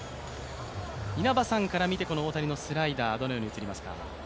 稲葉さんから見て大谷のスライダー、どのように映りますか？